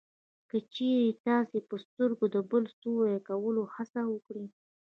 که چېرې تاسې په سترګو د بل د سوري کولو هڅه وکړئ